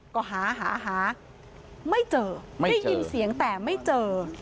ก็หาหาไม่เจอได้ยินเสียงแต่ไม่เจอ